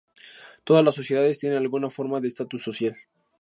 Todas las sociedades tienen alguna forma de estatus social.